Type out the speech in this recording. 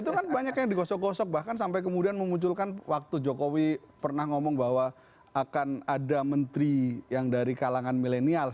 itu kan banyak yang digosok gosok bahkan sampai kemudian memunculkan waktu jokowi pernah ngomong bahwa akan ada menteri yang dari kalangan milenial